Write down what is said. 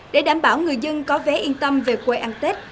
để đảm bảo người dân có vé yên tâm về quê ăn tết